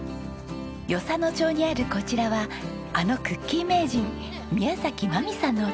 与謝野町にあるこちらはあのクッキー名人宮真実さんのお宅。